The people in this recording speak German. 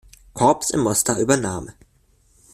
Korps in Mostar übernahm.